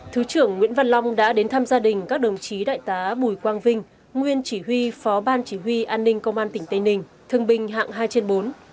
thứ trưởng nguyễn văn long đã đến thăm gia đình các đồng chí đại tá bùi quang vinh nguyên chỉ huy phó ban chỉ huy an ninh công an tỉnh tây ninh thương binh hạng hai trên bốn